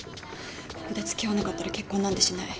ここで付き合わなかったら結婚なんてしない。